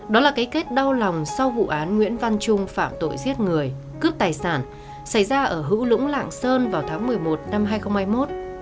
đó là cái kết đau lòng sau vụ án nguyễn văn trung phạm tội giết người cướp tài sản xảy ra ở hữu lũng lạng sơn vào tháng một mươi một năm hai nghìn hai mươi một